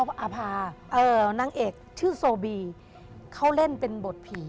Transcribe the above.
อาพานางเอกชื่อโซบีเขาเล่นเป็นบทผี